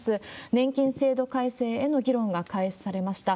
年金制度改正への議論が開始されました。